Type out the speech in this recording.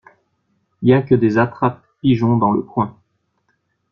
Y a que des attrapes-pigeons dans le coin.